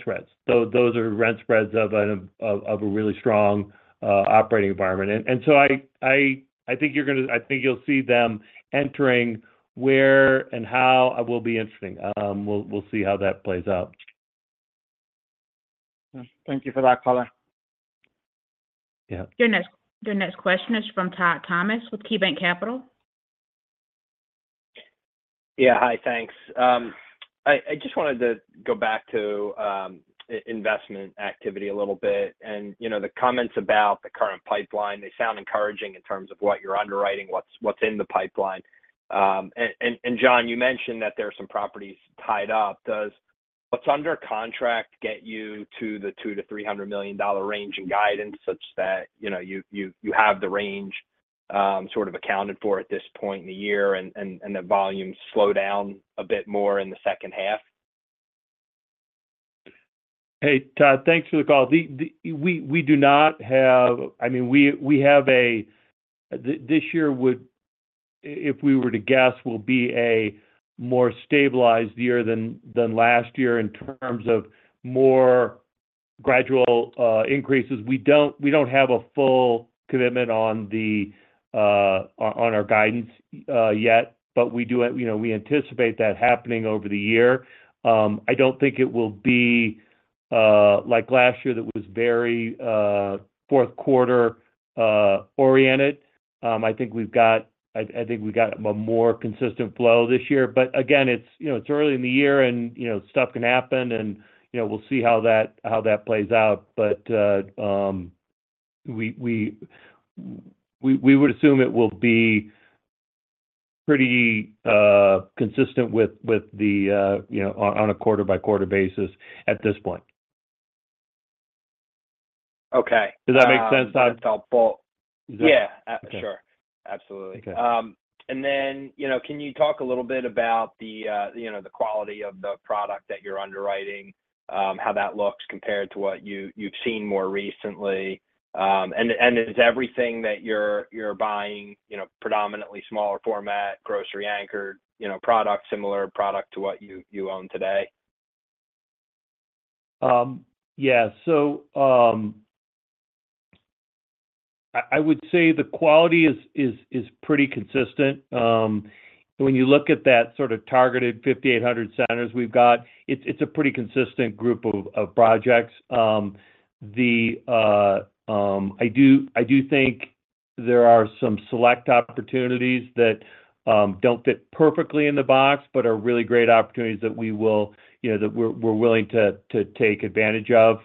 spreads. Those are rent spreads of a really strong operating environment. And so I think you're going to I think you'll see them entering where and how will be interesting. We'll see how that plays out. Thank you for that, Color. Your next question is from Todd Thomas with KeyBanc Capital. Yeah. Hi. Thanks. I just wanted to go back to investment activity a little bit. And the comments about the current pipeline, they sound encouraging in terms of what you're underwriting, what's in the pipeline. And John, you mentioned that there are some properties tied up. Does what's under contract get you to the $200 million-$300 million range in guidance such that you have the range sort of accounted for at this point in the year and the volumes slow down a bit more in the second half? Hey, Todd, thanks for the call. We do not have. I mean, we have a this year would, if we were to guess, will be a more stabilized year than last year in terms of more gradual increases. We don't have a full commitment on our guidance yet, but we anticipate that happening over the year. I don't think it will be like last year that was very fourth quarter-oriented. I think we've got a more consistent flow this year. But again, it's early in the year, and stuff can happen. And we'll see how that plays out. But we would assume it will be pretty consistent on a quarter-by-quarter basis at this point. Okay. Does that make sense, Todd? I thought both. Yeah. Sure. Absolutely. And then can you talk a little bit about the quality of the product that you're underwriting, how that looks compared to what you've seen more recently? And is everything that you're buying predominantly smaller format, grocery-anchored product, similar product to what you own today? Yeah. So I would say the quality is pretty consistent. When you look at that sort of targeted 5,800 centers we've got, it's a pretty consistent group of projects. I do think there are some select opportunities that don't fit perfectly in the box but are really great opportunities that we're willing to take advantage of.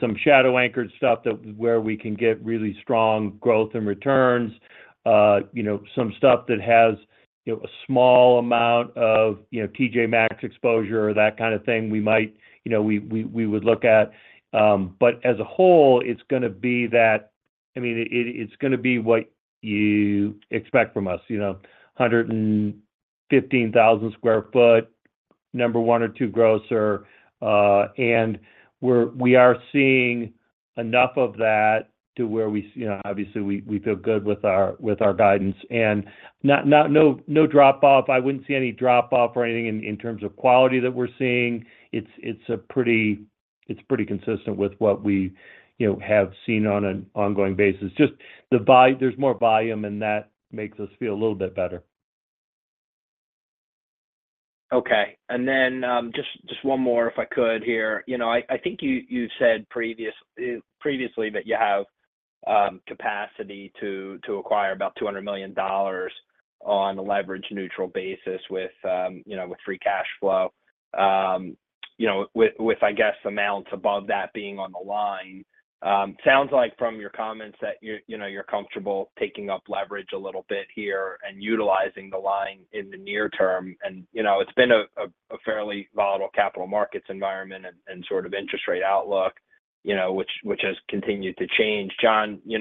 Some shadow-anchored stuff where we can get really strong growth and returns, some stuff that has a small amount of T.J. Maxx exposure or that kind of thing we would look at. But as a whole, it's going to be that I mean, it's going to be what you expect from us, 115,000 sq ft, number one or two grocer. And we are seeing enough of that to where we obviously, we feel good with our guidance. And no drop-off. I wouldn't see any drop-off or anything in terms of quality that we're seeing. It's pretty consistent with what we have seen on an ongoing basis. Just there's more volume, and that makes us feel a little bit better. Okay. And then just one more, if I could here. I think you've said previously that you have capacity to acquire about $200 million on a leverage-neutral basis with free cash flow, with, I guess, amounts above that being on the line. Sounds like from your comments that you're comfortable taking up leverage a little bit here and utilizing the line in the near term. And it's been a fairly volatile capital markets environment and sort of interest rate outlook, which has continued to change. John, you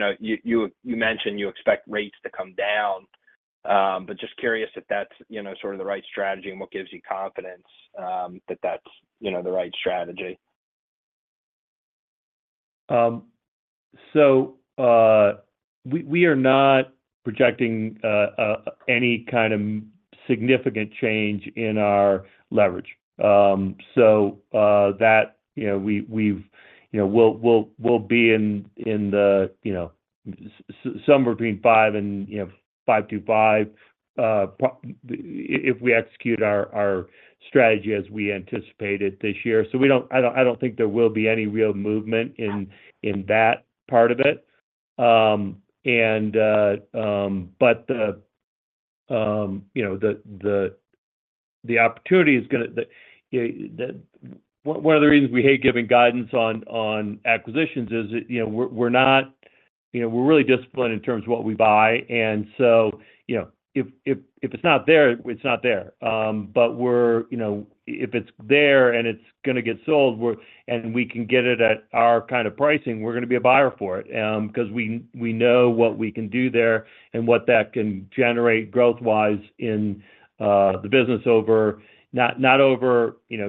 mentioned you expect rates to come down. But just curious if that's sort of the right strategy and what gives you confidence that that's the right strategy. So we are not projecting any kind of significant change in our leverage. So we'll be in somewhere between five and 5-5 if we execute our strategy as we anticipated this year. So I don't think there will be any real movement in that part of it. But the opportunity is going to one of the reasons we hate giving guidance on acquisitions is that we're not really disciplined in terms of what we buy. And so if it's not there, it's not there. But if it's there and it's going to get sold and we can get it at our kind of pricing, we're going to be a buyer for it because we know what we can do there and what that can generate growth-wise in the business over not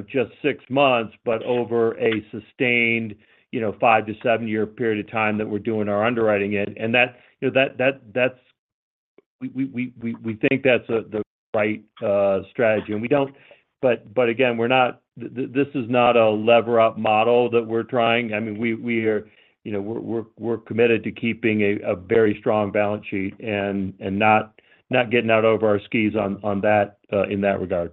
just six months, but over a sustained 5-7-year period of time that we're doing our underwriting in. And that's, we think, that's the right strategy. And we don't, but again, this is not a lever-up model that we're trying. I mean, we are committed to keeping a very strong balance sheet and not getting out over our skis in that regard.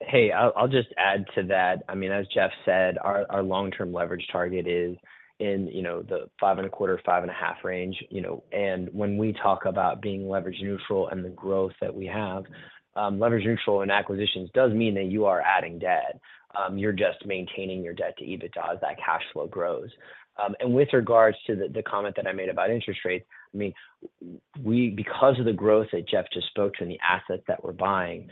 Hey, I'll just add to that. I mean, as Jeff said, our long-term leverage target is in the 5.25-5.5 range. When we talk about being leverage-neutral and the growth that we have, leverage-neutral in acquisitions does mean that you are adding debt. You're just maintaining your debt to EBITDA as that cash flow grows. With regards to the comment that I made about interest rates, I mean, because of the growth that Jeff just spoke to in the assets that we're buying,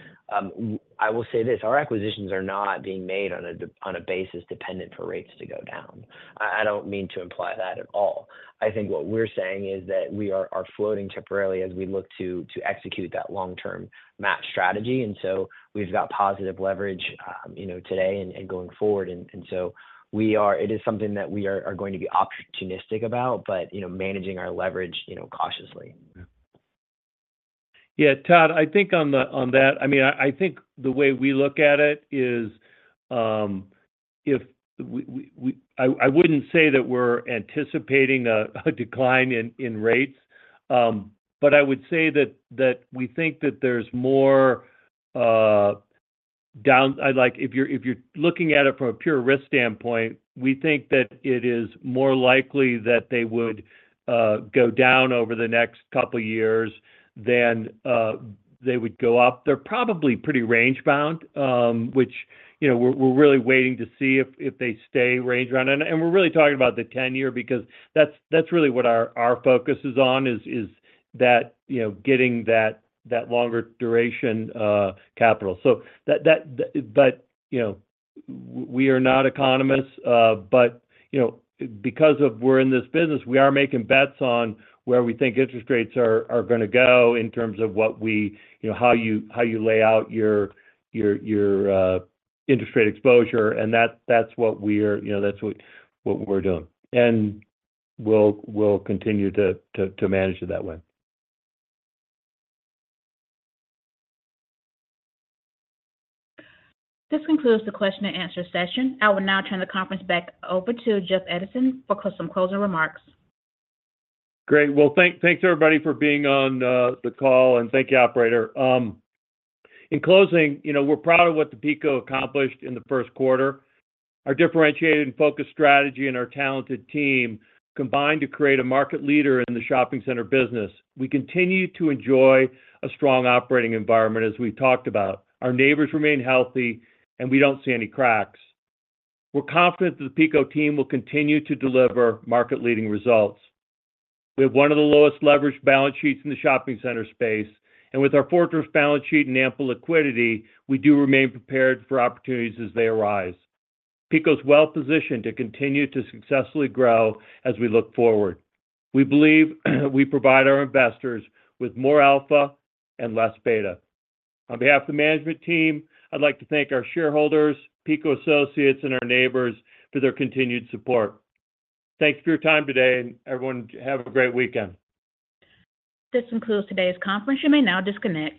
I will say this: our acquisitions are not being made on a basis dependent for rates to go down. I don't mean to imply that at all. I think what we're saying is that we are floating temporarily as we look to execute that long-term match strategy. So we've got positive leverage today and going forward.It is something that we are going to be opportunistic about, but managing our leverage cautiously. Yeah. Todd, I think on that, I mean, I think the way we look at it is if we I wouldn't say that we're anticipating a decline in rates. But I would say that we think that there's more down if you're looking at it from a pure risk standpoint, we think that it is more likely that they would go down over the next couple of years than they would go up. They're probably pretty range-bound, which we're really waiting to see if they stay range-bound. And we're really talking about the 10-year because that's really what our focus is on, is that getting that longer duration capital. But we are not economists. But because we're in this business, we are making bets on where we think interest rates are going to go in terms of what we how you lay out your interest rate exposure. That's what we are, that's what we're doing. We'll continue to manage it that way. This concludes the question-and-answer session. I will now turn the conference back over to Jeff Edison for some closing remarks. Great. Well, thanks, everybody, for being on the call. Thank you, operator. In closing, we're proud of what the PECO accomplished in the first quarter. Our differentiated and focused strategy and our talented team combined to create a market leader in the shopping center business. We continue to enjoy a strong operating environment, as we've talked about. Our neighbors remain healthy, and we don't see any cracks. We're confident that the PECO team will continue to deliver market-leading results. We have one of the lowest leveraged balance sheets in the shopping center space. And with our fortress balance sheet and ample liquidity, we do remain prepared for opportunities as they arise. PECO is well-positioned to continue to successfully grow as we look forward. We believe we provide our investors with more alpha and less beta. On behalf of the management team, I'd like to thank our shareholders, PECO associates, and our neighbors for their continued support. Thanks for your time today, and everyone, have a great weekend. This concludes today's conference. You may now disconnect.